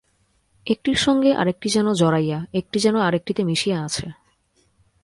একটির সঙ্গে আর একটি যেন জড়াইয়া, একটি যেন আর একটিতে মিশিয়া আছে।